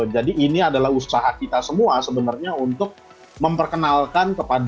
jadi ini adalah usaha kita semua sebenarnya untuk memperkenalkan kepada para pelaku yang khususnya fokus di bidang pengembangan ip tadi